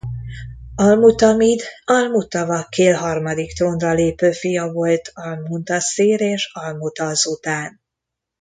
Al-Mutamid al-Mutavakkil harmadik trónra lépő fia volt al-Muntaszir és al-Mutazz után.